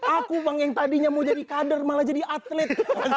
aku bang yang tadinya mau jadi kader malah jadi atlet